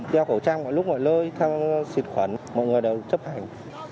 đeo khẩu trang mọi lúc mọi lơi thang xịt khuẩn mọi người đều chấp hành